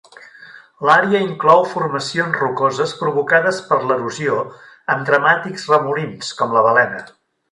L'àrea inclou formacions rocoses provocades per l'erosió amb dramàtics remolins com La Balena.